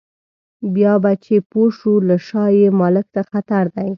بیا به چې پوه شو له شا یې مالک ته خطر دی.